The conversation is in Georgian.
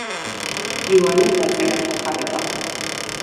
იოანემ დაწერა სახარება.